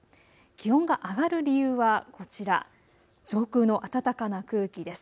気温が上がる理由はこちら、上空の暖かな空気です。